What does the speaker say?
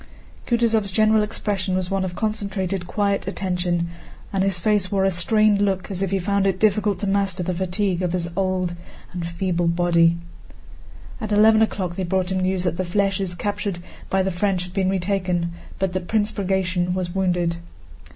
Kutúzov's general expression was one of concentrated quiet attention, and his face wore a strained look as if he found it difficult to master the fatigue of his old and feeble body. At eleven o'clock they brought him news that the flèches captured by the French had been retaken, but that Prince Bagratión was wounded.